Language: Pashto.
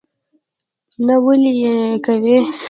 نه ولي یې کوې?